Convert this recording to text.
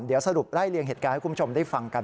เดี๋ยวสรุปไล่เลี่ยงเหตุการณ์ให้คุณผู้ชมได้ฟังกัน